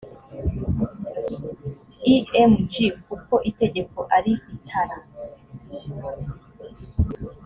img kuko itegeko ari itara